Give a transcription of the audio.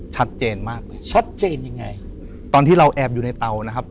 ชัดเจนมากเลยชัดเจนยังไงตอนที่เราแอบอยู่ในเตานะครับ